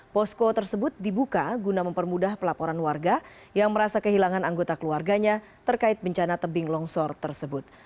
posko tersebut dibuka guna mempermudah pelaporan warga yang merasa kehilangan anggota keluarganya terkait bencana tebing longsor tersebut